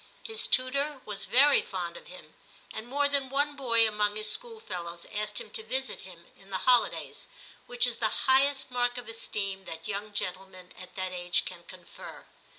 His tutor was very fond of him, and more than one boy among his P 2IO TIM CHAP. schoolfellows asked him to visit him in the holidays, which is the highest mark of esteem that young gentlemen at that age can confer.